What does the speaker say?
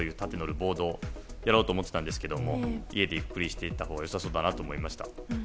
ボードをやろうと思ったんですが家でゆっくりしていたほうが良さそうだなと思いました。